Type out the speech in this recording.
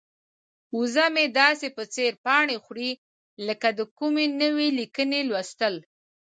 وزه مې داسې په ځیر پاڼې خوري لکه د کومې نوې لیکنې لوستل.